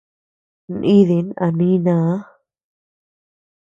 Nídin a nínaa.